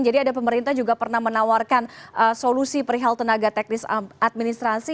jadi ada pemerintah juga pernah menawarkan solusi perihal tenaga teknis administrasi